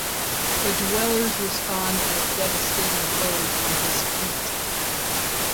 The Dwellers respond with devastating blows on his fleet.